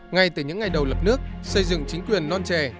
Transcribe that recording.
ngay từ những ngày đầu lập nước xây dựng chính quyền non trẻ